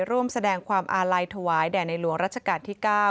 ร่วมแสดงความอาลัยถวายแด่ในหลวงรัชกาลที่๙